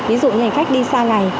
ví dụ như hành khách đi xa ngày